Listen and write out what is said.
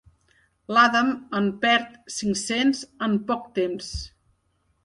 L'Adam en perd cinc-cents en poc temps.